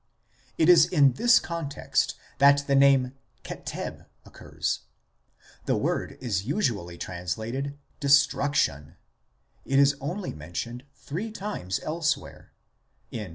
It is in this context that the name Keteb occurs. The word is usually translated " destruction "; it is only mentioned three times elsewhere, viz.